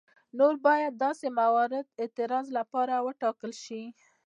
نو باید داسې موارد د اعتراض لپاره وټاکل شي.